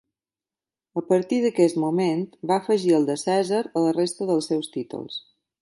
A partir d'aquest moment va afegir el de Cèsar a la resta dels seus títols.